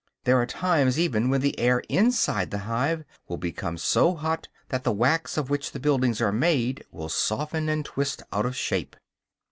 There are times even when the air inside the hive will become so hot that the wax of which the buildings are made will soften, and twist out of shape.